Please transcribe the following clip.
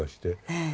ええ。